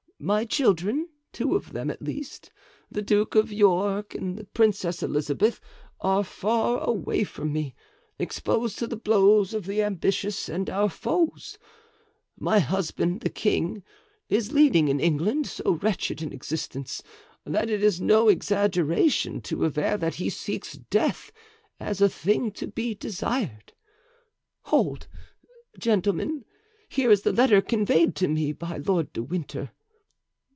My children, two of them, at least, the Duke of York and the Princess Elizabeth, are far away from me, exposed to the blows of the ambitious and our foes; my husband, the king, is leading in England so wretched an existence that it is no exaggeration to aver that he seeks death as a thing to be desired. Hold! gentlemen, here is the letter conveyed to me by Lord de Winter.